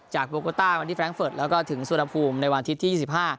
โบโกต้าวันที่แร้งเฟิร์ตแล้วก็ถึงสุรภูมิในวันอาทิตย์ที่๒๕